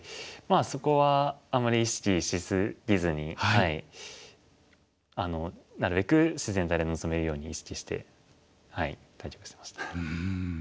そこはあんまり意識し過ぎずになるべく自然体で臨めるように意識して対局してました。